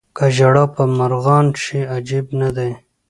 که ژړا پر مرغان شي عجب نه دی.